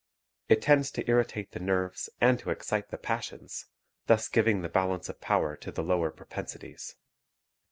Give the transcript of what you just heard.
It tends to irritate the nerves and to excite the passions, thus giving the balance of power to the lower propensities.